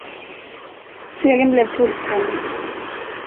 Segern blev fullständig.